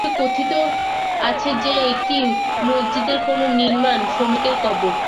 তবে কথিত আছে যে এটি মসজিদের কোন নির্মাণ শ্রমিকের কবর।